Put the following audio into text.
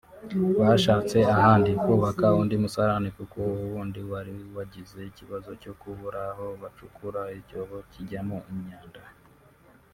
Bashatse ahandi kubaka undi musarane kuko uwo wundi wari wagize ikibazo cyo kubura aho bacurura icyobo kijyamo imyanda